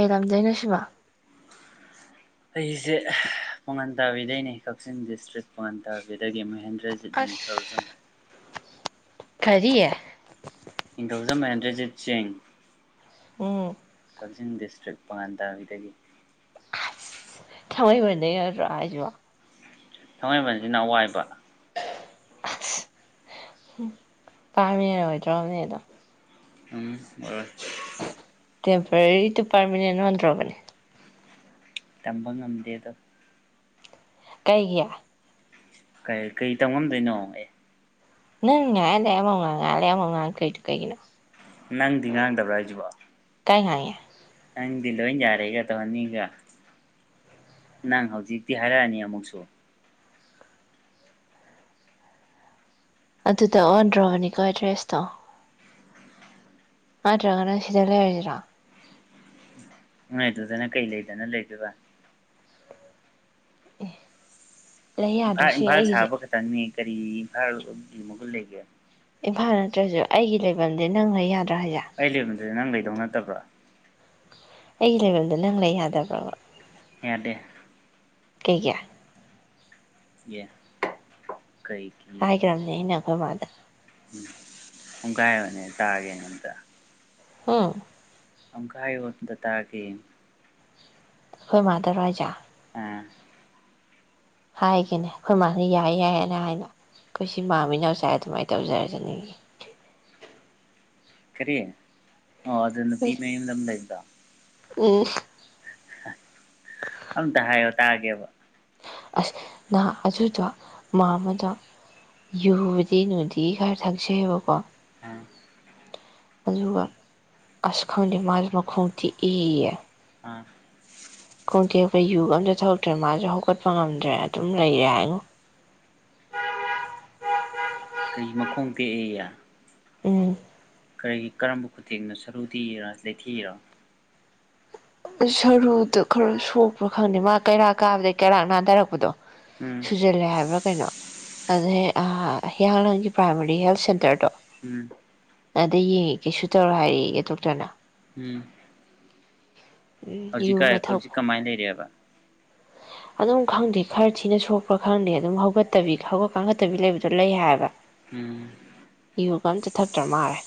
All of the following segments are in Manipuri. ꯀꯩꯔꯝꯗꯩꯅꯣ ꯁꯤꯕꯣ ꯑꯩꯖꯦ ꯑꯥ ꯄꯉꯟ ꯇꯥꯕꯤꯗꯩꯅꯦ ꯀꯛꯆꯤꯡ ꯗꯤꯁꯇ꯭ꯔꯤꯛ ꯄꯉꯟ ꯇꯥꯕꯤ ꯗꯒꯤ ꯃꯍꯦꯟꯗ꯭ꯔꯖꯤꯠ ꯅꯤꯡꯊꯧꯖꯝ ꯑꯁ ꯀꯔꯤ ꯅꯤꯡꯊꯧꯖꯝ ꯃꯍꯦꯟꯗ꯭ꯔꯖꯤꯠ ꯁꯤꯡ ꯎꯝ ꯀꯛꯆꯤꯡ ꯗꯤꯁꯇ꯭ꯔꯤꯛ ꯄꯉꯟ ꯇꯥꯕꯤꯗꯒꯤ ꯊꯥꯡꯃꯩꯕꯟꯗꯩ ꯅꯠꯇꯔꯣ ꯍꯥꯏꯖꯤꯕꯣ ꯊꯥꯡꯃꯩꯕꯟꯖꯤꯅ ꯑꯋꯥꯏꯕ ꯍꯨꯝ ꯄꯥꯔꯃꯤꯅꯦꯟ ꯑꯣꯏꯗꯣꯔꯕꯅꯤꯅꯦ ꯑꯗꯣ ꯎꯝ ꯑꯣꯏꯔꯣꯏ ꯃꯇꯝ ꯈꯔꯒꯤ ꯑꯣꯏꯕꯥ ꯄꯔꯃꯦꯅꯦꯟꯇ ꯑꯣꯏꯕꯥ ꯑꯣꯟꯗ꯭ꯔꯣꯕꯟ꯫ ꯇꯥꯝꯕꯥ ꯑꯦꯟ. ꯖꯤ. ꯑꯦꯝ. ꯗꯦ ꯇꯧꯕꯥ꯫ ꯀꯦꯏꯖꯤ ꯍꯥꯌꯅꯥ ꯀꯧꯏ꯫ ꯀ ꯀꯔꯤ ꯇꯧꯉꯝꯗꯣꯏꯅꯣ ꯑꯦ ꯎꯝ ꯉ ꯂꯩꯦꯃꯉ ꯉꯔꯦ ꯌꯥꯃꯉꯥꯡ ꯀꯩ ꯀꯅ ꯅꯥꯡ ꯗ ꯅꯥꯒꯟꯗꯕ꯭ꯔꯥ ꯍꯤꯁꯤ ꯕꯨ꯫ ꯌꯥꯉ ꯅꯪꯗꯤ ꯂꯣꯏ ꯌꯥꯔꯦꯒ ꯇꯧꯍꯟꯅꯤꯡꯒ ꯅꯪ ꯍꯧꯖꯤꯛꯇꯤ ꯍꯥꯏꯔꯛꯑꯅꯤ ꯑꯃꯨꯛꯁꯨ ꯑꯗꯨꯗ ꯑꯣꯟꯗ꯭ꯔꯣꯕꯅꯤꯀꯣ ꯑꯦꯗ꯭ꯔꯦꯁ ꯇꯣ ꯅ꯭ꯠꯔꯥꯒ꯭ꯅꯥ ꯁꯤ ꯗꯥ ꯂꯦꯏꯔꯥ ꯁꯦ ꯔꯥ꯫ ꯅꯣꯏ ꯑꯗꯨ ꯗꯨꯅꯥ ꯀꯦꯏ ꯂꯦꯏꯗꯅꯥ ꯂꯦꯏꯗꯣꯏꯕꯥ꯫ ꯑꯦꯍ꯫ ꯏꯝꯐꯥꯜ ꯏꯝꯐꯥꯜ ꯁꯥꯕꯥ ꯈ꯭ꯇꯪ ꯅꯤ꯫ ꯀꯔꯤ ꯐꯚꯔꯒꯤ ꯃꯒꯜ ꯂꯩꯒꯦ ꯏꯝꯐꯥꯜ ꯅ꯭ꯠꯔꯥ ꯁꯨ ꯏꯏꯖꯤ ꯂꯦꯏꯕꯝ ꯗꯥ ꯉ ꯂꯦꯏꯕꯥ ꯌꯥ꯫ ꯑꯩ ꯂꯩꯔꯦ ꯅꯪ ꯂꯩꯗꯧꯅ ꯅ꯭ꯠꯔꯥꯕꯥ꯫ ꯏꯒꯤ ꯂꯦꯏꯕꯝ ꯗꯥ ꯉ ꯂꯦꯏ ꯌꯥꯗꯕ꯭ꯔꯥ ꯕꯥ꯫ ꯌꯥꯗꯦ ꯍꯥꯌꯅꯥ ꯀꯧꯏ꯫ ꯀꯦꯏꯖꯤ ꯍꯥꯌꯅꯥ ꯀꯧꯏ꯫ ꯑꯦꯍ꯫ ꯍꯥꯏꯒ꯭ꯔꯥꯕꯅꯦ ꯑꯩꯅꯥ꯫ ꯑꯈꯣꯏ ꯃꯥ ꯗꯥ꯫ ꯎꯝ ꯄꯨꯡꯒꯥꯏꯕꯅꯦ ꯇꯥꯒꯦꯅ ꯑꯝꯇ ꯑꯃ ꯑꯃꯨꯀꯥ ꯍ꯭ꯌꯣ ꯑꯃꯇꯥ ꯇꯦꯒꯦ꯫ ꯑꯈꯣꯏ ꯃꯥ ꯗꯥ ꯔꯣ ꯍꯥꯏꯁꯦ꯫ ꯎꯝ ꯍꯥꯏꯒꯅꯦ ꯑꯩꯈꯣꯏ ꯃꯥꯅ ꯌꯥꯏ ꯌꯥꯏꯌꯦꯅ ꯍꯥꯏꯅ ꯑꯩꯈꯣꯏ ꯁꯤ ꯄꯥꯝꯃꯤꯅ ꯉꯁꯥꯏ ꯑꯗꯨꯃꯥꯏꯅ ꯇꯧꯖꯔꯖꯅꯤꯡ ꯀꯔꯤ꯫ ꯑꯣꯍ ꯑꯗꯨ ꯅꯨꯄꯤ ꯃꯌꯥꯝ ꯑꯥꯃꯥ ꯂꯦꯏꯕꯥꯗꯨ꯫ ꯎꯝ ꯑꯃꯇꯥ ꯍ꯭ꯌꯣ ꯇꯦꯒꯦ ꯕꯥ꯫ ꯑꯁ ꯅꯍꯥ ꯑꯗꯨꯗꯣ ꯃꯥꯃꯗꯣ ꯌꯨꯕꯗꯤ ꯅꯨꯅꯨꯡꯗꯤ ꯈꯔ ꯊꯛꯆꯩꯑꯕꯀꯣ ꯑꯥ ꯑꯗꯨꯒ ꯑꯁ ꯈꯪꯗꯦ ꯃꯥꯒꯤ ꯃꯈꯣꯡꯇꯤ ꯏꯌꯦ ꯑꯥ ꯈꯣꯡꯇꯦꯛꯄ ꯌꯨꯒ ꯑꯝꯇ ꯊꯔꯛꯇ꯭ꯔꯦ ꯃꯥꯁꯨ ꯍꯧꯒꯠꯄ ꯉꯝꯗ꯭ꯔꯦ ꯑꯗꯨꯝ ꯂꯩꯔꯦ ꯍꯥꯏꯉꯣ ꯀꯔꯤ ꯃꯈꯣꯡꯒꯦ ꯇꯦꯀꯦꯏꯌꯦ꯫ ꯎꯝ ꯀꯔꯤ ꯀꯔꯝ ꯈꯨ ꯇꯦꯛ ꯅꯣ ꯁꯥꯔꯨ ꯇꯦꯀꯦꯔꯣ ꯂꯦꯏꯊꯦꯀꯦ ꯔꯣ꯫ ꯁꯔꯨꯗꯣ ꯈꯔ ꯁꯣꯛꯄ ꯈꯪꯗꯦ ꯃꯥ ꯀꯩꯔꯥꯛ ꯀꯥꯕꯗꯒꯤꯩ ꯀꯩꯔꯥꯛ ꯅꯥꯗꯔꯛꯄꯗꯣ ꯎꯝ ꯁꯨꯖꯤꯅꯂꯦ ꯍꯥꯏꯕ꯭ꯔꯥ ꯀꯦꯏꯅꯣ ꯑꯗꯨ ꯍꯦꯛ꯫ ꯍꯦꯌꯥꯡꯂꯝ ꯒꯤ ꯄ꯭ꯔꯥꯏꯃꯥꯔꯤ ꯍꯦꯜꯊ ꯁꯦꯟꯇꯔ ꯗꯨ ꯎꯝ ꯑꯗꯥ ꯌꯦꯡꯒꯦ ꯀꯦꯏꯁꯨ ꯇ꯭ꯔꯣꯏ ꯍꯥꯏꯔꯀꯦ ꯗꯣꯛꯇꯔ ꯅꯥ꯫ ꯎꯝ ꯎꯝ ꯍꯧꯖꯤꯛꯀ ꯌꯨꯒ ꯍꯧꯖꯤꯛ ꯊꯛꯄ ꯀꯃꯥꯏꯅ ꯂꯩꯔꯤꯦꯕ ꯑꯗꯨꯝ ꯈꯪꯗꯦ ꯈꯔ ꯊꯤꯅ ꯁꯣꯛꯄ꯭ꯔꯥ ꯈꯪꯗꯦ ꯑꯗꯨꯝ ꯍꯧꯒꯠꯇꯕꯤ ꯍꯧꯒꯠ ꯀꯥꯡꯈꯠꯇꯕꯤ ꯂꯩꯕꯗꯣ ꯂꯩ ꯍꯥꯏꯕ ꯎꯝ ꯌꯨꯒ ꯑꯝꯇ ꯊꯛꯇ꯭ꯔ ꯃꯥꯜꯂꯦ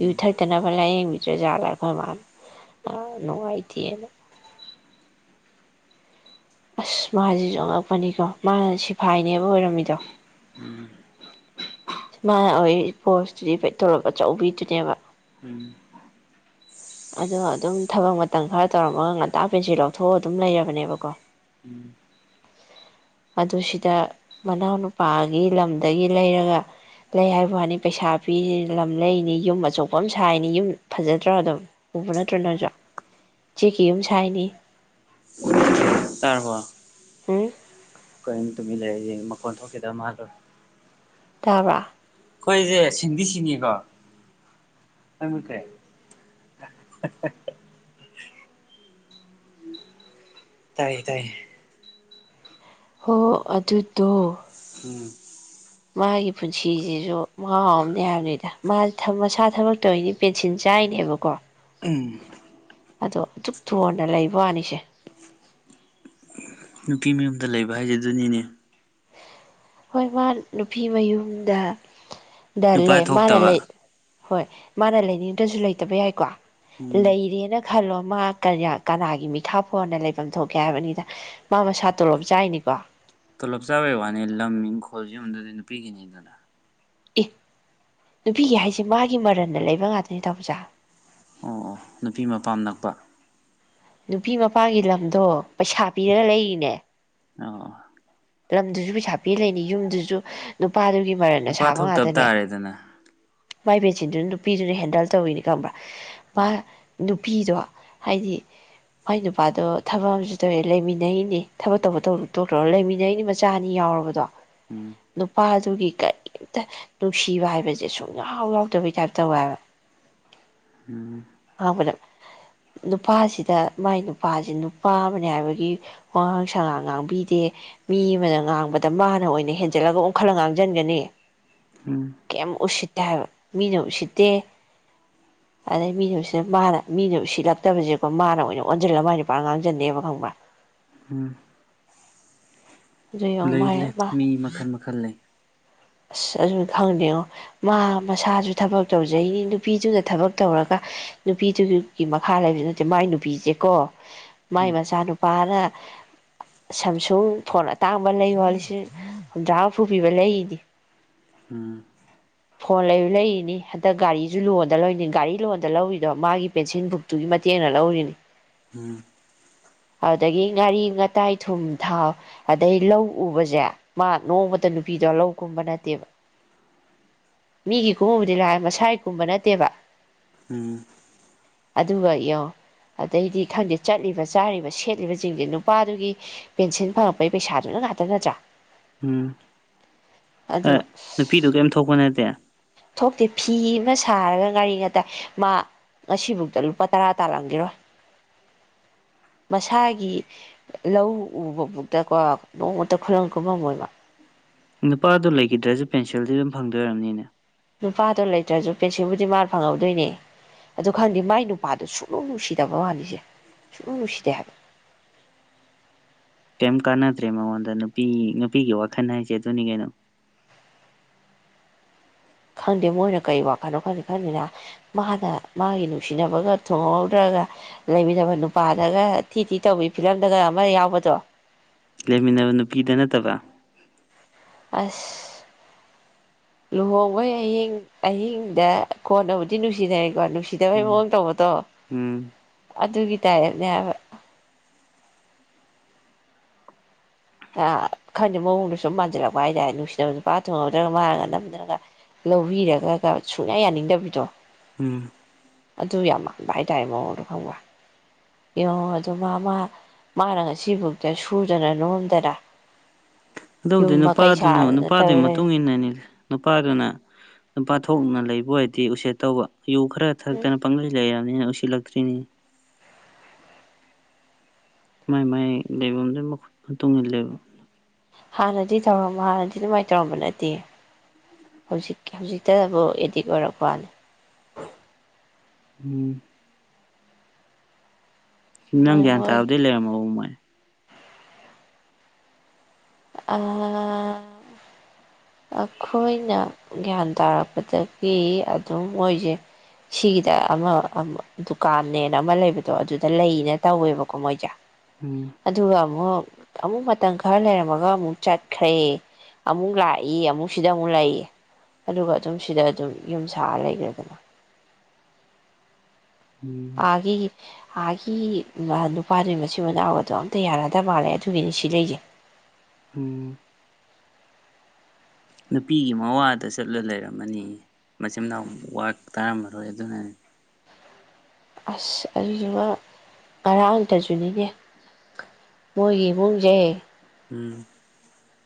ꯌꯨ ꯊꯛꯇꯅꯕ ꯂꯥꯏꯌꯦꯡꯕꯤ ꯖꯦꯈꯣꯏ ꯃꯥ ꯑ ꯅꯅꯨꯡꯉꯥꯏꯗꯤꯌꯦꯅ ꯑꯁ ꯃꯥꯁꯤꯁꯨ ꯑꯉꯛꯄꯅꯤꯀꯣ ꯃꯥꯅ ꯁꯤꯐꯥꯏꯅꯦꯕ ꯑꯣꯏꯔꯝꯃꯤꯗꯣ ꯎꯝ ꯃꯅ ꯍꯣꯏ ꯄꯣꯁꯇꯨꯗꯤ ꯇꯧꯔ ꯑꯆꯧꯕꯤꯗꯨꯅꯦꯕ ꯎꯝ ꯑꯗꯣ ꯑꯗꯨꯝ ꯊꯕꯛ ꯃꯇꯝ ꯈꯔ ꯇꯧꯔꯝꯃꯒ ꯉꯟꯇꯥ ꯄꯦꯟꯁꯤꯜ ꯂꯧꯊꯣꯛꯑ ꯑꯗꯨꯝ ꯂꯩꯔꯕꯅꯦꯕꯀꯣ ꯎꯝ ꯑꯗꯨ ꯁꯤꯗ ꯃꯅꯥꯎꯅ ꯅꯨꯄꯥꯒꯤ ꯂꯝꯗꯒꯤ ꯂꯩꯔꯒ ꯂꯩ ꯍꯥꯏꯕ ꯋꯥꯅꯤ ꯄꯩꯁꯥ ꯄꯤꯔꯤ ꯂꯝ ꯂꯩꯅꯤ ꯌꯨꯝ ꯑꯆꯧꯕ ꯑꯃ ꯁꯥꯏꯅꯤ ꯌꯨꯝ ꯐꯖꯗ꯭ꯔꯥ ꯑꯗꯨꯝ ꯎꯕ ꯅꯠꯇ꯭ꯔ ꯅꯁꯨ ꯆꯦꯛꯀꯤ ꯌꯨꯝ ꯁꯥꯏꯅꯤ ꯇꯔꯄ ꯍꯝ꯫ ꯀꯣ ꯇꯨꯃꯤꯟ ꯂꯩ ꯌꯦꯡ ꯃꯈꯣꯟ ꯊꯣꯛꯈꯤꯗꯕ ꯃꯥꯜꯂꯨꯔꯦ꯫ ꯇꯥꯕ꯭ꯔ ꯑꯈꯣꯏꯁꯦ ꯁꯤꯡꯗꯤ ꯁꯤꯅꯤꯀꯣ [unintelligible] ꯇꯥꯏꯌꯦ ꯇꯥꯏꯌꯦ꯫ ꯍꯣ ꯑꯗꯨꯗꯣ꯫ ꯎꯝ꯫ ꯃꯥꯒꯤ ꯄꯨꯟꯁꯤꯁꯤꯁꯨ ꯃꯍꯥꯎ ꯑꯃꯅꯦ ꯍꯥꯏꯕꯅꯤꯗ ꯃꯥ ꯃꯁꯥ ꯊꯕꯛ ꯇꯧꯔꯤꯅꯤ ꯄꯦꯟꯁꯤꯟ ꯆꯥꯏꯅꯦꯕꯀꯣ꯫ ꯎꯝ꯫ ꯑꯗꯣꯇ ꯗꯨꯛꯇꫭꯟꯅ ꯂꯩꯕ ꯋꯥꯅꯤꯁꯦ꯫ ꯅꯨꯄꯤ ꯃꯌꯨꯝꯗ ꯂꯩꯕ ꯍꯥꯏꯖ ꯑꯗꯨꯅꯤꯅꯦ꯫ ꯍꯣꯏ ꯃꯥ ꯅꯨꯄꯤ ꯃꯌꯨꯝꯗ꯫ ꯗ ꯅꯨꯄꯥ ꯂꯩ ꯃꯥꯅ ꯊꯣꯛꯇꯕ ꯂꯩ꯫ ꯍꯣꯏ ꯃꯥꯅ ꯂꯩꯅꯤꯡꯗ꯭ꯔꯁꯨ ꯂꯩꯇꯕ ꯌꯥꯏꯀꯣ꯫ ꯎꯝ ꯂꯩꯔꯦꯅ꯫ ꯈꯜꯂꯣ ꯃꯥ ꯀꯌꯥ ꯀꯅꯥꯒꯤ ꯃꯤꯈꯥꯄꫭꯟꯅ ꯂꯩꯕꯝ ꯊꯣꯛꯀꯦ ꯍꯥꯏꯕꯅꯤꯗ ꯃꯥ ꯃꯁꯥ ꯇꯣꯂꯣꯞ ꯆꯥꯏꯅꯤꯀꯣ꯫ ꯇꯣꯂꯣꯞ ꯆꯥꯕꯩ ꯋꯥꯅꯤ ꯂꯝ ꯏꯪꯈꯣꯜ ꯌꯨꯗꯨꯗꯤ ꯅꯨꯄꯤꯒꯤꯅꯤꯗꯅ꯫ ꯑꯦ ꯅꯨꯄꯤꯒꯤ ꯍꯥꯏꯁꯦ ꯃꯥꯒꯤ ꯃꯔꯟꯗ ꯂꯩꯕ ꯉꯥꯛꯇꯅꯤ ꯇꯥꯃꫭꯆꯥ꯫ ꯑꯣ ꯑꯣ ꯅꯨꯄꯤ ꯃꯄꯥꯝ ꯅꯛꯄ꯫ ꯅꯨꯄꯤ ꯃꯄꯥꯒꯤ ꯂꯝꯗꯣ ꯄꯩꯁꯥ ꯄꯤꯔꯒ ꯂꯩꯔꯤꯅꯦ꯫ ꯑꫭ꯫ ꯂꯝꯗꯨꯁꯨ ꯄꯩꯁꯥ ꯄꯤ ꯂꯩꯅꯤ ꯌꯨꯝꯗꯨꯁꯨ꯫ ꯅꯨꯄꯥꯗꯨꯒꯤ ꯃꯔꯟꯅ ꯅꯨꯄꯥ ꯁꯥꯕ ꯊꯣꯛꯇꯕ ꯉꯥꯛꯇꯅꯦ꯫ ꯇꯥꯔꯦꯗꯅ ꯃꯥꯏ ꯄꯦꯟꯁꯤꯟꯗꯨꯅ ꯅꯨꯄꯤꯗꯨꯅ ꯍꯦꯟꯗꯜ ꯇꫭꯏꯅꯤ ꯀꯪꯕ꯭ꯔꯥ꯫ ꯃꯥ꯫ ꯅꯨꯄꯤꯗꯣ ꯍꯥꯏꯗꯤ ꯃꯥꯏ ꯅꯨꯄꯥꯗꯣ ꯊꯕꯛ ꯑꯃꯁꯨ ꯇꯧꯋꯦ ꯂꯩꯃꯤꯟꯅꯩꯅꯦ ꯊꯕꯛ ꯇꯧꯕ ꯇꯧꯗꯕ ꯇꫭꯛꯇ꯭ꯔꫭ ꯂꯩꯃꯤꯟ꯫ ꯅꯩꯅꯦ ꯃꯆꯥ ꯑꯅꯤ ꯌꯥꯎꯔꯕꯗꯣ꯫ ꯎꯝ ꯅꯨꯄꯥꯗꯨꯒꯤ꯫ ꯀꯔꯤꯝꯇ ꯅꯨꯡꯁꯤꯕ ꯍꯥꯏꯕꯁꯦ ꯁꯨꯡꯌꯥꯎ ꯌꯥꯎꯗꯕꯩ ꯇꯥꯏꯞ ꯇꯧꯋꯦꯕ꯫ ꯎꯝ꯫ ꯉꯥꯡꯕꯗ ꯅꯨꯄꯥꯁꯤꯗ ꯃꯥꯏ ꯅꯨꯄꯥꯁꯤ ꯅꯨꯄꯥ ꯑꯃꯅꯦ ꯍꯥꯏꯕꯒꯤ ꯋꯥꯉꯥꯡ ꯁꯉꯥꯡ ꯉꯥꯡꯕꯤꯗꯦ ꯃꯤ ꯑꯃꯅ ꯉꯥꯡꯕꯗ ꯃꯥꯅ ꯑꯣꯏꯅ ꯍꯦꯟꯖꯜꯂꯒ ꯑꯣꯡꯈꯠꯂꯒ ꯉꯥꯡꯁꯤꯟꯒꯅꯤ꯫ ꯎꯝ ꯀꯦꯝ ꯎꯁꯤꯠ꯫ ꯇꯦꯍꯥꯏꯕ ꯃꯤꯅ ꯎꯁꯤꯠꯇꯦ ꯑꯗꯩ ꯃꯤꯅ ꯎꯁꯤ꯫ ꯁꯤꯗ ꯃꯥꯅ ꯃꯤꯅ ꯎꯁꯤꯠꯂꯛꯇꯕꯁꯦꯀꯣ ꯃꯥꯅ ꯑꯣꯏꯅ ꯑꯣꯟꯖꯜꯂꯒ ꯃꯥꯏ ꯅꯨꯄ ꯉꯥꯡꯁꯤꯟꯗꯦꯕ ꯈꯪꯕ꯭ꯔꯥ꯫ ꯎꯝ꯫ ꯑꯗꯨ ꯌꯦꯡꯉꯣ ꯂꯩ ꯃꯥꯏ ꯂꯩ ꯃꯥ ꯃꯤ ꯃꯈꯟ ꯃꯈꯟ ꯈꯜꯂꯦ ꯑꯁ ꯑꯗꯨ ꯈꯪꯗꯦꯉꯣ ꯃꯥ ꯃꯁꯥꯁꯨ ꯊꯕꯛ ꯇꯧꯖꯩꯅꯤ ꯅꯨꯄꯤꯗꯨꯅ ꯊꯕꯛ ꯇꯧꯔꯒ ꯅꯨꯄꯤꯗꯨꯒꯤ ꯃꯈꯥ ꯂꯩꯕ ꯅꯠꯇꯦ ꯃꯥꯏ ꯅꯨꯄꯤꯁꯦꯀꯣ ꯃꯥꯏ ꯎꯝ ꯃꯆꯥ ꯅꯨꯨꯄꯥ ꯑꯗꯨꯅ ꯁꯥꯝꯁꯨꯡ ꯐꯣꯟ ꯑꯇꯥꯡꯕ ꯂꯩ ꯋꯣ ꯂꯤꯁꯤꯡ ꯍꯨꯝꯗ꯭ꯔꯥ ꯍꯨꯝꯐꯨ ꯄꯤꯕ ꯂꯩꯔꯤꯅꯤ ꯎꯝ ꯐꯣꯟ ꯂꯩꯌꯨ ꯂꯩꯔꯤꯅꯤ ꯍꯟꯗꯛ ꯒꯥꯔꯤꯁꯨ ꯂꯣꯟꯗ ꯂꯧꯏꯅꯤ ꯒꯥꯔꯤ ꯂꯣꯟꯗ ꯂꯧꯔꯤꯗꯣ ꯃꯥꯒꯤ ꯄꯦꯟꯁꯤꯟ ꯕꯨꯛꯇꯨꯒꯤ ꯃꯇꯦꯡꯅ ꯂꯧꯔꯤꯅꯤ ꯎꯝ ꯑꯗꯨꯗꯒꯤ ꯉꯥꯔꯤ ꯉꯥꯇꯥꯏ ꯊꯨꯝ ꯊꯥꯎ ꯑꯗꯩ ꯂꯧ ꯎꯕꯁꯦ ꯃꯥ ꯅꯣꯡꯃꯠꯗ ꯅꯨꯄꯤꯗꯣ ꯂꯧ ꯀꯨꯝꯕ ꯅꯠꯇꯦꯕ ꯃꯤꯒꯤ ꯀꯨꯝꯕꯨꯗꯤ ꯂꯥꯛ ꯃꯁꯥꯒꯤ ꯀꯨꯝꯕ ꯅꯠꯇꯦꯕ ꯎꯝ ꯑꯗꯨꯒ ꯌꯣꯡ ꯑꯗꯩꯗꯤ ꯈꯪꯗꯦ ꯆꯠꯂꯤꯕ ꯆꯥꯔꯤꯕ ꯁꯦꯠꯂꯤꯕꯁꯤꯡꯁꯦ ꯅꯨꯄꯥꯗꯨꯒꯤ ꯄꯦꯟꯁꯤꯟ ꯐꯪꯉꯛꯄꯒꯤ ꯄꯩꯁꯥꯗꯨꯅ ꯉꯥꯛꯇ ꯅꯠꯇ꯭ꯔꯥ ꯎꯝ ꯑꯗꯨ ꯅꯨꯄꯤꯗꯨ ꯀꯔꯤꯝ ꯊꯣꯛꯄ ꯅꯠꯇꯦ ꯊꯣꯛꯇꯦ ꯐꯤ ꯑꯃ ꯁꯥꯔꯒ ꯉꯥꯔꯤ ꯉꯇꯥꯏ ꯃꯥ ꯉꯁꯤꯐꯧꯗ ꯂꯨꯄꯥ ꯇꯔꯥ ꯇꯥꯜꯂꯝꯈꯤꯔꯣꯏ ꯃꯁꯥꯒꯤ ꯂꯧ ꯎꯕ ꯐꯧꯗ ꯀꯣ ꯅꯣꯡꯃꯇ ꯈꯨꯂꯪ ꯀꯨꯝꯃꯝꯃꯣꯏꯕ ꯅꯨꯄꯥꯗꯣ ꯂꯩꯈꯤꯗ꯭ꯔꯁꯨ ꯄꯦꯟꯁꯤꯜꯗꯤ ꯑꯗꯨꯝ ꯐꯪꯗꯣꯏ ꯑꯣꯏꯔꯝꯅꯤꯅꯦ ꯅꯨꯄꯥꯗꯣ ꯂꯩꯇ꯭ꯔꯁꯨ ꯄꯦꯟꯁꯤꯜꯕꯨꯗꯤ ꯃꯥꯅ ꯐꯪꯍꯧꯗꯣꯏꯅꯦ ꯑꯗꯨ ꯈꯪꯗꯦ ꯃꯥꯏ ꯅꯨꯄꯥꯗꯣ ꯁꯨꯛꯅꯨꯡ ꯅꯨꯡꯁꯤꯗꯕ ꯋꯥꯅꯤꯁꯦ ꯁꯨꯛꯅꯨꯡ ꯅꯨꯡꯁꯤꯗꯦ ꯍꯥꯏꯕ ꯀꯩꯝ ꯀꯥꯟꯅꯗ꯭ꯔꯦ ꯃꯉꯣꯟꯗ ꯅꯨꯄꯤ ꯅꯨꯄꯤꯒꯤ ꯋꯥꯈꯜ ꯍꯥꯏꯁꯦ ꯑꯗꯨꯅꯤ ꯀꯩꯅꯣ ꯈꯪꯗꯦ ꯃꯣꯏꯅ ꯀꯔꯤ ꯋꯥꯈꯜꯅꯣ ꯈꯪꯗꯦ ꯈꯪꯗꯦꯅ ꯃꯥꯅ ꯃꯥꯒꯤ ꯅꯨꯡꯁꯤꯅꯕꯒ ꯊꯣꯡꯍꯧꯗ꯭ꯔꯒ ꯂꯩꯃꯤꯟꯅꯕ ꯅꯨꯄꯥꯗꯒ ꯊꯤ ꯊꯤ ꯇꯧꯋꯤ ꯐꯤꯂꯝꯗꯒ ꯑꯃ ꯌꯥꯎꯕꯗꯣ ꯂꯩꯃꯤꯟꯅꯕ ꯅꯨꯄꯤꯗ ꯅꯠꯇꯕ ꯑꯁ ꯂꯨꯍꯣꯡꯕꯩ ꯑꯍꯤꯡ ꯑꯍꯤꯡꯗ ꯀꯣꯟꯅꯕꯨꯗꯤ ꯅꯨꯡꯁꯤꯅꯔꯦꯀꯣ ꯅꯨꯡ ꯅꯨꯡꯁꯤꯗꯕꯩ ꯎꯝ ꯃꯑꯣꯡ ꯇꯧꯕꯗꯣ ꯎꯝ ꯑꯗꯨꯒꯤ ꯇꯔꯅꯦꯕ ꯈꯪꯗꯦ ꯃꯑꯣꯡꯗꯣ ꯁꯨꯝ ꯃꯥꯟꯁꯤꯜꯂꯛꯄ ꯍꯥꯏ ꯇꯔꯦ ꯅꯨꯡꯁꯤꯅꯕ ꯅꯨꯄꯥ ꯊꯣꯡꯉꯕꯗꯒ ꯃꯔꯒ ꯅꯝꯗꯅꯒ ꯂꯧꯕꯤꯔꯒꯒ ꯁꯨꯡꯌꯥ ꯌꯥꯅꯤꯡꯗꯕꯤꯗꯣ ꯎꯝ ꯑꯗꯨ ꯌꯥꯝ ꯃꯥꯟꯕ ꯍꯥꯏ ꯇꯔꯦ ꯃꯑꯣꯡꯗꯣ ꯈꯪꯕ ꯌꯦꯡꯉꯣ ꯑꯗꯨ ꯃꯥ ꯃꯥꯅ ꯉꯁꯤꯐꯧꯗ ꯁꯨꯗꯅ ꯅꯣꯝꯗꯅ ꯑꯗꯨꯕꯨꯗꯤ ꯌꯨꯝ ꯃꯀꯩ ꯅꯨꯄꯥꯗꯨꯅ ꯁꯥꯗꯅ ꯅꯨꯄꯥꯗꯨꯒꯤ ꯇꯧꯔ ꯃꯇꯨꯡ ꯏꯟꯅꯅꯤ ꯅꯨꯄꯥꯗꯨꯅ ꯅꯨ ꯊꯣꯛꯅ ꯂꯩꯕ ꯑꯣꯏꯗꯤ ꯎꯆꯦꯠ ꯇꯧꯕ ꯌꯨ ꯈꯔ ꯂꯩ ꯊꯛꯇꯅ ꯄꯪꯂꯩ ꯂꯩꯔ ꯃꯤꯅ ꯎꯁꯤꯠꯂꯛꯇ꯭ꯔꯤꯅꯤꯅꯦ ꯃꯥꯏ ꯃꯥꯏ ꯂꯩꯐꯝꯗꯨ ꯃꯈꯨꯠ ꯃꯇꯨꯡ ꯏꯜꯂꯦꯕ ꯍꯥꯟꯅꯗꯤ ꯇꯧꯔꯝꯕ ꯍꯥꯟꯅꯗꯤ ꯑꯗꯨꯃꯥꯏꯅ ꯇꯧꯔꯝꯕ ꯅꯠꯇꯦ ꯍꯧꯖꯤꯛ ꯍꯧꯖꯤꯛꯇꯕꯨ ꯑꯦꯗꯤꯛ ꯑꯣꯏꯔꯛꯄ ꯋꯥꯅꯤ ꯎꯝ ꯅꯪ ꯃꯣꯏ ꯒ꯭ꯌꯥꯟ ꯃꯣꯏ ꯇꯥꯕꯗꯩ ꯂꯩꯔꯝꯃꯕ ꯃꯣꯏ ꯑ ꯑꯩꯈꯣꯏꯅ ꯒ꯭ꯌꯥꯟ ꯇꯥꯔꯛꯄꯗꯒꯤ ꯑꯗꯨꯝ ꯃꯣꯏꯁꯦ ꯁꯤꯒꯤꯗ ꯑꯃ ꯗꯨꯀꯥꯟꯅꯦꯅ ꯑꯃ ꯂꯩꯕꯗꯣ ꯑꯗꯨꯗ ꯂꯩꯅ ꯇꯧꯋꯦꯕꯀꯣ ꯃꯣꯏꯁꯦ ꯎꯝ ꯑꯗꯨꯒ ꯑꯃꯨꯛ ꯑꯃꯨꯛ ꯃꯇꯝ ꯈꯔ ꯂꯩꯔꯝꯃꯒ ꯑꯃꯨꯛ ꯆꯠꯈ꯭ꯔꯦ ꯑꯃꯨꯛ ꯂꯥꯛꯏ ꯑꯃꯨꯛ ꯁꯤꯗ ꯑꯃꯨꯛ ꯂꯩꯌꯦ ꯑꯗꯨꯒ ꯑꯗꯨꯝ ꯁꯤꯗ ꯑꯗꯨꯝ ꯌꯨꯝ ꯁꯥꯔ ꯂꯩꯈ꯭ꯔꯦꯗꯅ ꯎꯝ ꯑꯒꯤ ꯑꯥꯒꯤ ꯅꯨꯄꯥꯗꯨ ꯃꯆꯤꯟ ꯃꯅꯥꯎꯕꯗꯣ ꯑꯝꯇ ꯌꯥꯅꯗ ꯃꯥꯜꯂꯦ ꯑꯗꯨꯒꯤꯅꯤ ꯁꯤ ꯂꯩꯁꯦ ꯎꯝ ꯅꯨꯄꯤꯒꯤ ꯃꯋꯥꯗ ꯆꯠꯂ ꯂꯩꯔꯝꯃꯅꯤ ꯃꯆꯤꯟꯅꯥꯎ ꯋꯥ ꯇꯥꯔꯝꯃꯔꯣꯏ ꯑꯗꯨꯅꯅꯤ ꯑꯁ ꯑꯗꯨꯁꯤꯒ ꯉꯔꯥꯡ ꯇꯁꯨꯅꯤꯅꯦ ꯃꯣꯏꯒꯤ ꯏꯃꯨꯡꯁꯦ ꯎꯝ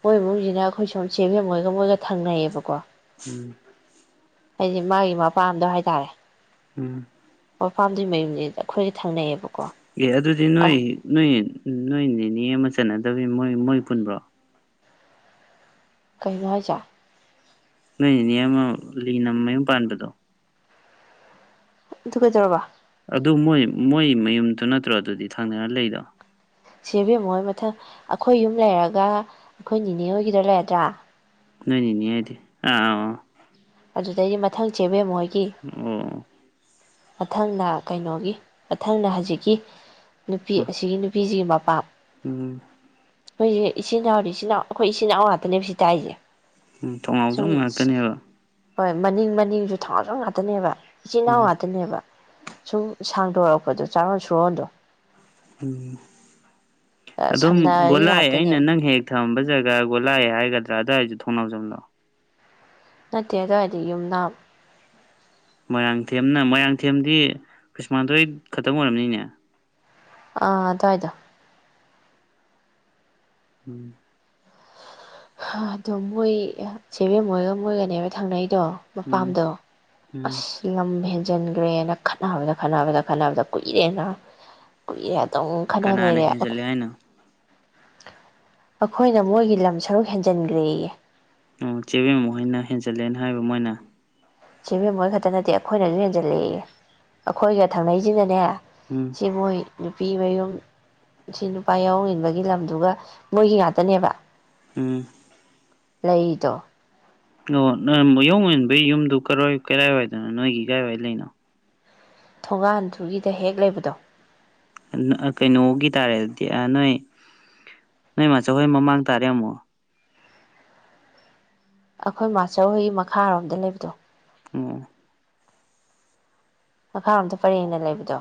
ꯃꯣꯏꯕꯨꯨꯡꯁꯤꯅ ꯑꯩꯈꯣꯏ ꯁꯣꯝ ꯆꯦꯟꯖ ꯃꯣꯏꯒ ꯃꯣꯏꯒ ꯊꯪꯅꯩꯌꯦꯕꯀꯣ ꯎꯝ ꯍꯥꯏꯗꯤ ꯃꯥꯒꯤ ꯃꯄꯥꯝꯗꯣ ꯍꯥꯏꯇꯥꯔꯦ ꯎꯝ ꯑꯥꯝꯗꯨ ꯃꯌꯨꯝꯅꯤ ꯑꯩꯈꯣꯏ ꯑꯦ ꯑꯗꯨꯗꯤ ꯅꯣꯏ ꯅꯣꯏ ꯎꯝ ꯅꯣꯏ ꯅꯦꯅꯦ ꯑꯃ ꯆꯠꯅꯗꯕꯅꯤ ꯃꯣꯏ ꯃꯣꯏ ꯄꯨꯟꯕ꯭ꯔꯣ ꯀꯩꯅꯣ ꯍꯥꯌꯖꯦ ꯅꯣꯏ ꯏꯅꯦ ꯑꯃ ꯂꯤꯅꯃꯌꯨꯝ ꯄꯥꯟꯕꯗꯣ ꯑꯗꯨ ꯀꯩꯗꯧꯔꯕ ꯑꯗꯨ ꯃꯣꯏ ꯃꯣꯏ ꯃꯌꯨꯝꯗꯨ ꯅꯠꯇ꯭ꯔꯣ ꯑꯗꯨꯗꯤ ꯊꯥꯡꯅꯔ ꯂꯩꯗꯣ ꯆꯦ ꯏꯕꯦꯝꯃꯣꯏ ꯃꯊꯪ ꯑꯩꯈꯣꯏ ꯌꯨꯝ ꯂꯩꯔꯒ ꯑꯩꯈꯣꯏ ꯅꯤꯅꯦ ꯑꯣꯏꯈꯤꯗ꯭ꯔ ꯂꯩꯔꯗ꯭ꯔꯥ ꯅꯣꯏꯅꯤꯅꯤ ꯍꯥꯏꯗꯤ ꯑꯥ ꯑ ꯑꯗꯨꯗꯩ ꯃꯊꯪ ꯆꯦꯕꯦꯝꯃꯣꯏ ꯑꯣ ꯃꯊꯪꯅ ꯀꯩꯅꯣꯒꯤ ꯃꯊꯪꯅ ꯍꯧꯖꯤꯛꯀꯤ ꯅꯨꯄꯤ ꯑꯁꯤꯒꯤ ꯅꯨꯄꯤꯁꯤꯒꯤ ꯃꯄꯥꯝ ꯎꯝ ꯑꯩꯈꯣꯏꯁꯦ ꯏꯆꯤꯟ ꯏꯅꯥꯎꯗꯤ ꯏꯆꯤꯟ ꯏꯅꯥꯎ ꯏꯆꯤꯟ ꯏꯅꯥꯎ ꯉꯥꯛꯇꯅꯦꯕ ꯁꯤ ꯇ ꯑꯩꯁꯦ ꯎꯝ ꯊꯣꯡꯅꯥꯎꯖꯝ ꯉꯥꯛꯇꯅꯦꯕ ꯍꯣꯏ ꯃꯅꯤꯡ ꯃꯅꯤꯡꯁꯨ ꯊꯥꯡꯖ ꯉꯥꯛꯇꯅꯦꯕ ꯏꯆꯤꯟ ꯏꯅꯥꯎ ꯎꯝ ꯋꯥꯇꯅꯦꯕ ꯁꯨꯝ ꯁꯥꯡꯗꯣꯔꯛꯄꯗꯣ ꯆꯥꯔꯣꯟ ꯁꯨꯔꯣꯟꯗꯣ ꯎꯝ ꯑꯗꯨꯝ ꯁꯝꯅꯔꯤ ꯒꯣꯂꯥꯏ ꯑꯩꯅ ꯉꯥꯛꯇꯅꯦꯕ ꯅꯪ ꯍꯦꯛ ꯊꯝꯕ ꯖꯒꯥꯒꯣꯂꯥꯛꯑꯦ ꯍꯥꯏꯒꯗ꯭ꯔꯥ ꯑꯗꯨꯋꯥꯏꯁꯨ ꯊꯣꯡꯅꯥꯎꯖꯝꯂꯣꯑꯣ ꯅꯠꯇꯦ ꯑꯗꯨꯋꯥꯏꯗꯤ ꯌꯨꯝꯗ ꯃꯣꯏꯔꯥꯡꯊꯦꯝꯅ ꯃꯣꯏꯔꯥꯡꯊꯦꯝꯗꯤ ꯈ꯭ꯔꯤꯁꯃꯥꯟꯗꯣꯏ ꯈꯛꯇꯪ ꯑꯣꯏꯔꯕꯝꯅꯤꯅꯦ ꯑ ꯑꯗꯗꯣ ꯎꯝ ꯑꯗꯣ ꯃꯣꯏ ꯆꯦꯕꯦꯝ ꯃꯣꯏꯒ ꯃꯣꯏꯒꯅꯦꯕ ꯊꯪꯅꯩ ꯇꯣ ꯎꯝ ꯃꯄꯥꯝꯗꯣ ꯎꯝ ꯑꯁ ꯅꯃꯦꯦ ꯍꯟꯖꯤꯟꯈ꯭ꯔꯦꯅ ꯈꯠꯅꯕꯗ ꯈꯠꯅꯕꯗ ꯈꯠꯅꯕꯗ ꯀꯨꯏꯔꯦꯅ ꯀꯨꯏꯔꯦ ꯑꯗꯨꯝ ꯈꯠꯅ ꯀꯅꯥꯅ ꯂꯩꯔꯦ ꯍꯦꯟꯖꯜꯂꯦ ꯍꯥꯏꯅꯣ ꯑꯩꯈꯣꯏꯅ ꯃꯣꯏꯒꯤ ꯂꯝ ꯁꯔꯨꯛ ꯍꯦꯟꯖꯤꯟꯈ꯭ꯔꯦ ꯑꯣ ꯆꯦꯕꯦꯝ ꯑꯃꯨꯛ ꯍꯥꯏꯅ ꯍꯦꯟꯖꯜꯂꯦꯅ ꯍꯥꯏꯕ ꯃꯣꯏꯅ ꯁꯤꯕꯦꯝ ꯃꯣꯏ ꯈꯛꯇ ꯅꯠꯇꯦ ꯑꯩꯈꯣꯏꯅꯁꯨ ꯍꯦꯟꯖꯜꯂꯛꯏ ꯑꯩꯈꯣꯏꯒ ꯊꯧꯅꯩꯁꯤꯅꯅꯦ ꯎꯝ ꯁꯤꯕꯣꯏ ꯅꯨꯄꯤ ꯃꯌꯨꯝ ꯁꯤ ꯅꯨꯄꯥ ꯌꯥꯎꯍꯧꯅꯤꯡꯟꯕꯒꯤ ꯂꯝꯗꯨꯒ ꯃꯣꯏꯒꯤ ꯉꯥꯛꯇꯅꯦꯕ ꯎꯝ ꯂꯩꯗꯣ ꯑꯣ ꯅ ꯌꯑꯣꯡ ꯏꯟꯕꯩ ꯌꯨꯝꯗꯨ ꯀꯔꯥꯏꯋꯥꯏꯗꯅꯣ ꯅꯣꯏꯒꯤ ꯀꯥꯏꯋꯥꯏ ꯂꯩꯅꯣ ꯊꯣꯡꯒꯥꯟꯗꯨꯒꯤꯗ ꯍꯦꯛ ꯂꯩꯕꯗꯣ ꯀꯩꯅꯣꯒꯤ ꯇꯥꯔꯦꯗꯤ ꯅꯣꯏ ꯅꯣꯏ ꯃꯆꯧ ꯍꯣꯏ ꯃꯃꯥꯡ ꯇꯥꯔꯦ ꯑꯃꯨꯛ ꯑꯩꯈꯣꯏ ꯃꯥꯆꯧ ꯍꯣꯏꯒꯤ ꯃꯈꯥꯔꯣꯝꯗ ꯂꯩꯕꯗꯣ ꯑꯣ ꯃꯈꯥꯔꯣꯝꯇ ꯄꯔꯦꯡꯅ ꯂꯩꯕꯗꯣ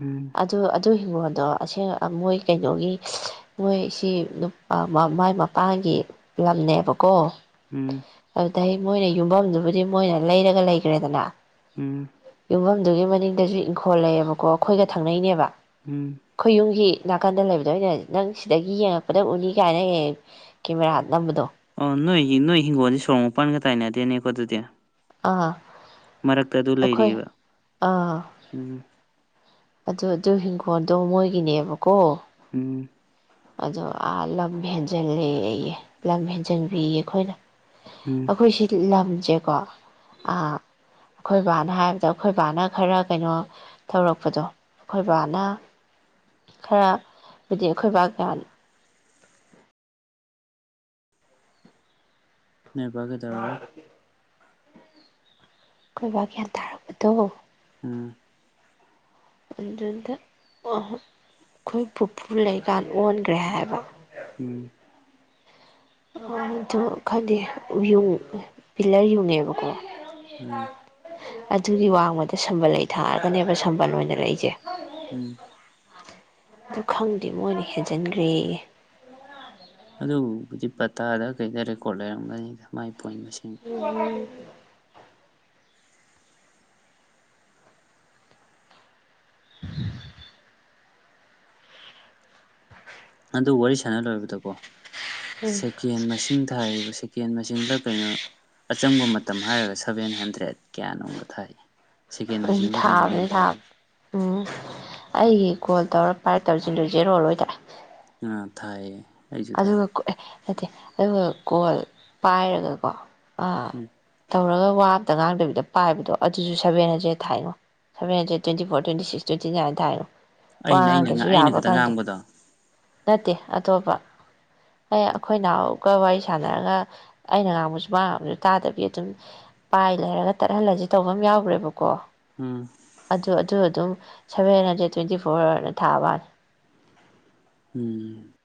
ꯎꯝ ꯑꯗꯨ ꯑꯗꯨ ꯍꯤꯡꯒꯣꯜꯗꯣ ꯑꯁꯦꯡ ꯃꯣꯏ ꯀꯩꯅꯣꯒꯤ ꯃꯣꯏꯁꯤ ꯃꯥꯏ ꯃꯄꯥꯟꯒꯤ ꯂꯝꯅꯦꯕꯀꯣ ꯎꯝ ꯑꯗꯩ ꯃꯣꯏꯅ ꯌꯨꯝꯐꯝꯗꯨꯕꯨꯗꯤ ꯃꯣꯏꯅ ꯂꯩꯔꯒ ꯂꯩꯈ꯭ꯔꯦꯗꯅ ꯎꯝ ꯌꯨꯝꯐꯝꯗꯨꯒꯤ ꯃꯅꯤꯡꯗꯁꯨ ꯏꯪꯈꯣꯜ ꯂꯩꯌꯦꯕꯀꯣ ꯑꯩꯈꯣꯏꯒ ꯊꯪꯅꯩꯅꯦꯕ ꯎꯝ ꯈꯣꯏ ꯌꯨꯝꯒꯤ ꯅꯥꯀꯟꯗ ꯂꯩꯕꯗꯣ ꯑꯣꯏꯅ ꯅꯪ ꯁꯤꯗꯒꯤ ꯌꯦꯡꯉꯛꯄꯗ ꯎꯅꯤ ꯀꯥꯏꯅ ꯍꯦꯛ ꯍꯦꯛ ꯀꯦꯃꯦꯔꯥ ꯅꯝꯕꯗꯣ ꯑꯣ ꯅꯣꯏ ꯅꯣꯏ ꯍꯤꯡꯒꯣꯜꯗꯤ ꯁꯣꯔꯣꯡ ꯃꯄꯥꯟꯒ ꯇꯥꯏꯅꯗꯦꯅꯦꯀꯣ ꯑꯗꯨꯗꯤ ꯑꯥ ꯃꯔꯛꯇ ꯑꯗꯨ ꯑꯩꯈꯣꯏ ꯂꯩꯔꯤꯑꯕ ꯑꯥ ꯎꯝ ꯑꯗꯨ ꯑꯗꯨ ꯍꯤꯡꯈꯣꯜꯗꯣ ꯃꯣꯏꯒꯤꯅꯦꯕꯀꯣ ꯎꯝ ꯑꯗꯣ ꯑꯥ ꯂꯝ ꯍꯦꯟꯖꯜꯂꯦ ꯑꯩꯌꯦ ꯂꯝ ꯍꯦꯟꯖꯟꯕꯤꯌꯦ ꯑꯩꯈꯣꯏꯅ ꯎꯝ ꯑꯩꯈꯣꯏ ꯁꯤ ꯂꯝ ꯆꯆꯦꯀꯣ ꯑꯩꯈꯣꯏ ꯕꯥꯅ ꯍꯥꯏꯕꯗ ꯑꯩꯈꯣꯏ ꯕꯥꯅ ꯈꯔ ꯀꯩꯅꯣ ꯇꯧꯔꯛꯄꯗꯣ ꯑꯩꯈꯣꯏ ꯕꯥꯅ ꯈꯔ ꯍꯥꯏꯕꯗꯤ ꯑꯩꯈꯣꯏꯕ ꯅꯣꯏ ꯕ ꯀꯩꯗꯧꯔꯕ ꯑꯈꯣꯏ ꯕ ꯒ꯭ꯌꯥꯟ ꯇꯥꯔꯛꯄꯗꯣ ꯎꯝ ꯑꯗꯨꯗ ꯑꯩꯈꯣꯏ ꯄꯨꯄꯨ ꯂꯩꯀꯥꯟ ꯑꯣꯟꯈ꯭ꯔꯦ ꯍꯥꯏꯕ ꯎꯝ ꯑꯗꯨ ꯈꯪꯗꯦ ꯄꯤꯂꯔ ꯌꯨꯡꯉꯦꯕꯀꯣ ꯎꯝ ꯑꯗꯨꯒꯤ ꯋꯥꯡꯃꯗ ꯁꯝꯕꯜ ꯂꯩ ꯊꯥꯔꯒꯅꯦꯕ ꯁꯝꯕꯜ ꯑꯣꯏꯅ ꯂꯩꯔꯤꯁꯦ ꯎꯝ ꯑꯗꯨ ꯈꯪꯗꯦ ꯃꯣꯏꯅ ꯍꯦꯟꯖꯤꯟꯈ꯭ꯔꯦꯑꯦ ꯑꯗꯨ ꯍꯧꯖꯤꯛ ꯄꯇꯥꯗ ꯀꯩꯗ ꯔꯦꯀꯣꯠ ꯂꯩꯔꯝꯒꯅꯤꯗꯥ ꯃꯥꯏ ꯄꯣꯏꯟ ꯃꯁꯤꯡ ꯎꯝ ꯎꯝ ꯑꯗꯨ ꯋꯥꯔꯤ ꯁꯥꯟꯅ ꯂꯣꯏꯔꯕꯗꯀꯣ ꯁꯦꯀꯦꯟ ꯃꯁꯤꯡ ꯊꯥꯏꯕ ꯁꯦꯀꯦꯟ ꯃꯁꯤꯡ ꯁꯤꯡꯗ ꯀꯩꯅꯣ ꯑꯆꯪꯕ ꯃꯇꯝ ꯍꯥꯏꯔꯒ ꯁꯚꯦꯟ ꯍꯟꯗ꯭ꯔꯦꯗ ꯀꯌꯥꯅꯣꯝꯒ ꯊꯥꯏ ꯁꯦꯀꯦꯟ ꯎꯝ ꯃꯁꯤꯡꯂ ꯀꯩꯅꯣ ꯊꯥꯕꯅꯦ ꯒ꯭ꯌꯥꯟ ꯇꯥꯗꯦ ꯊꯥꯕ ꯎꯝ ꯑꯩꯒꯤ ꯀꯣꯜ ꯇꯧꯔꯛ ꯚꯥꯏ ꯇꯧꯁꯤꯟꯗꯣꯏꯁꯦꯔꯣꯜꯂꯣꯏꯗ꯭ꯔꯦ ꯎ ꯊꯥꯏꯌꯦ ꯑꯩꯁꯨ ꯊꯥꯏ ꯑꯗꯨꯒ ꯑꯦ ꯅꯠꯇꯦ ꯑꯗꯨꯒ ꯀꯣꯜ ꯄꯥꯏꯔꯒꯀꯣ ꯎꯝ ꯇꯧꯔꯒ ꯋꯥꯕꯇ ꯉꯥꯡꯗꯕꯤꯗ ꯄꯥꯏꯕꯗꯣ ꯑꯗꯨꯁꯨ ꯁꯚꯦꯟ ꯍꯟꯗ꯭ꯔꯦꯗ ꯊꯥꯏꯅꯣ seven hundred twenty four twenty six twenty nine ꯊꯥꯏꯅꯣ ꯑꯩꯅ ꯑꯩꯅ ꯑꯩꯅ ꯈꯛꯇ ꯉꯥꯡꯕꯗꯣ ꯅꯠꯇꯦ ꯑꯇꯣꯞꯄ ꯑꯦ ꯑꯩꯈꯣꯏ ꯅꯅꯥꯎꯒ ꯋꯥꯔꯤ ꯁꯥꯟꯅꯔꯒ ꯑꯩꯅ ꯉꯥꯡꯕꯁꯨ ꯃꯥꯡꯕꯁꯨ ꯇꯥꯗꯕꯤ ꯑꯗꯨꯝ ꯄꯥꯏ ꯂꯩꯔꯒ ꯇꯠꯍꯜꯂꯁ ꯇꯧꯕ ꯑꯃ ꯌꯥꯎꯈ꯭ꯔꯦꯕꯀꯣ ꯀꯣ ꯎꯝ ꯑꯗꯨ ꯑꯗꯨ ꯑꯗꯨꯝ ꯁꯚꯦꯟ ꯍꯟꯗ꯭ꯔꯦꯠ ꯇ꯭ꯋꯦꯟꯇꯤ ꯐꯣꯔꯅ ꯊꯥꯕꯅꯤ ꯎꯝ